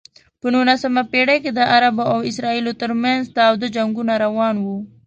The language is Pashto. په نولسمه پېړۍ کې د عربو او اسرائیلو ترمنځ تاوده جنګونه روان و.